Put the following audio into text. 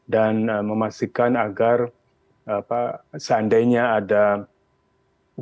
dan memastikan agar seandainya ada gejolak